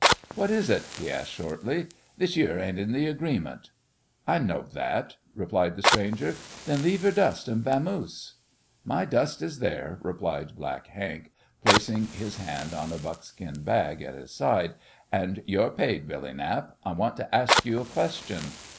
"What is it?" he asked, shortly. "This yere ain't in th' agreement." "I know that," replied the stranger. "Then leave yore dust and vamoose." "My dust is there," replied Black Hank, placing his hand on a buckskin bag at his side, "and you're paid, Billy Knapp. I want to ask you a question.